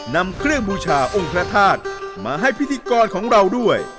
นำเครื่องบูชาองค์พระธาตุมาให้พิธีกรของเราด้วย